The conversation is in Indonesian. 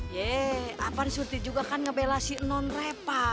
yeay apan surti juga kan ngebela si nonrepa